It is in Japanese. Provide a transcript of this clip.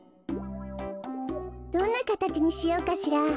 どんなかたちにしようかしら。